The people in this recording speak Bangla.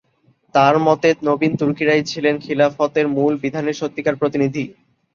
তাঁর মতে, নবীন তুর্কিরাই ছিলেন খিলাফতের মূল বিধানের সত্যিকার প্রতিনিধি।